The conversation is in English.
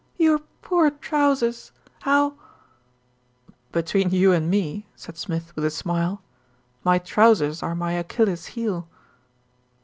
"Your poor trousers, how " "Between you and me," said Smith with a smile, "my trousers are my Achilles heel."